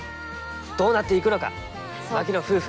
どうなっていくのか槙野夫婦。